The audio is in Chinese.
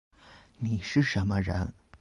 你是什么人